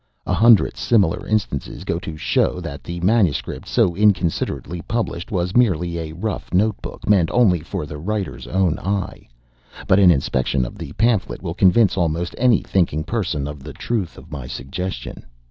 A hundred similar instances go to show that the MS. so inconsiderately published, was merely a rough note book, meant only for the writer's own eye, but an inspection of the pamphlet will convince almost any thinking person of the truth of my suggestion.